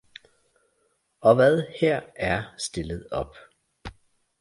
Og hvad her er stillet op